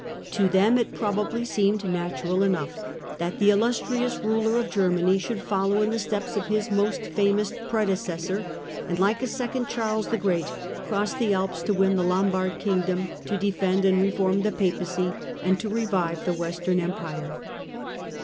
To them it probably seemed natural enough that the illustrious ruler of Germany should follow in the steps of his most famous predecessor, and, like a second Charles the Great, cross the Alps to win the Lombard kingdom, to defend and reform the Papacy, and to revive the Western Empire.